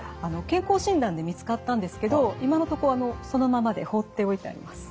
健康診断で見つかったんですけど今のとこそのままで放っておいてあります。